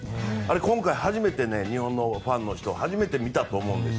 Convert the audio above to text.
今回、日本のファンの人は初めて見たと思うんです。